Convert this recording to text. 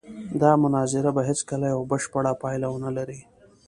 دا مناظره به هېڅکله یوه بشپړه پایله ونه لري.